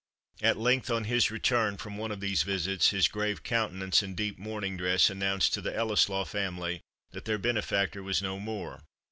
At length, on his return from one of these visits, his grave countenance, and deep mourning dress, announced to the Ellieslaw family that their benefactor was no more.